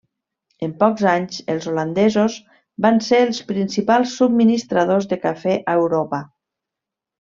En pocs anys els holandesos van ser els principals subministradors de cafè a Europa.